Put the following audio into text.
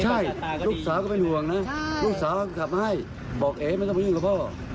ใช่ลูกสาวก็เป็นห่วงนะลูกสาวก็กลับมาให้บอกเอ๋ไม่ต้องไปยุ่งกับพ่อ